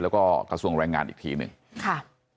แล้วก็กระทรวงแรงงานอีกทีหนึ่งค่ะ